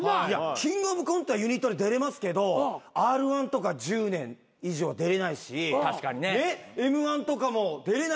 キングオブコントはユニットで出れますけどＲ−１とか１０年以上出れないしＭ−１とかも出れないじゃないですか。